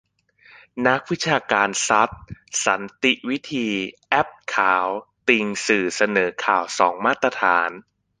นักวิชาการซัด สันติวิธี-แอ๊บขาว ติงสื่อเสนอข่าวสองมาตรฐาน